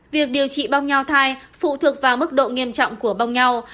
việc điều trị bong nhau thai phụ thuộc vào mức độ nghiêm trọng của bong nhau